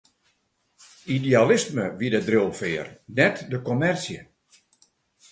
Idealisme wie de driuwfear, net de kommersje.